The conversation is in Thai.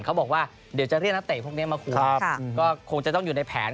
เขาบอกว่าเดี๋ยวจะเรียกนักเตะพวกนี้มาคุยก็คงจะต้องอยู่ในแผน